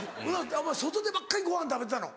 お前外でばっかりごはん食べてたの？